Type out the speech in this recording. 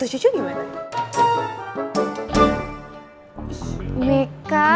aku juga suka sama dia